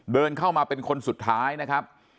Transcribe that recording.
เดินเข้ามาเป็นคนสุดท้ายนะครับ